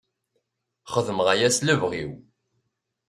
Xedmeɣ aya s lebɣi-w.